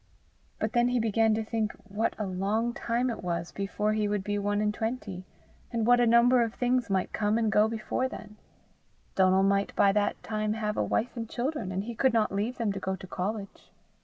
But then he began to think what a long time it was before he would be one and twenty, and what a number of things might come and go before then: Donal might by that time have a wife and children, and he could not leave them to go to college!